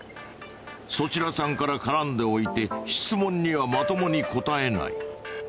そちらさんから絡んでおいて質問にはまともに答えない。